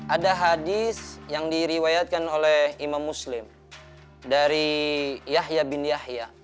ada hadis yang diriwayatkan oleh imam muslim dari yahya bin yahya